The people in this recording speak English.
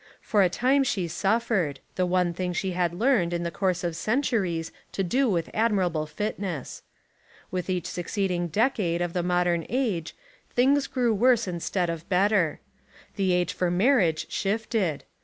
For a time she suffered — the one thing she had learned, in the course of centuries, to do with admirable fitness. With each succeeding de cade of the modern age things grew worse in .146 The Woman Question stead of better. The age for marriage shift ed.